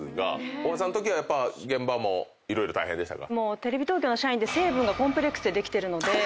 大橋さんのときはやっぱ現場も色々大変でしたか？